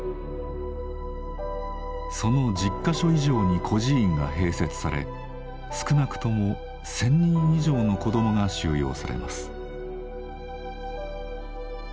その１０か所以上に孤児院が併設され少なくとも１，０００人以上の子どもが収容されます。